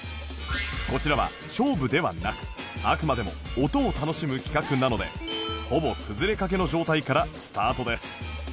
こちらは勝負ではなくあくまでも音を楽しむ企画なのでほぼ崩れかけの状態からスタートです